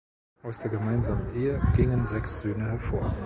Aus der gemeinsamen Ehe gingen sechs Söhne hervor.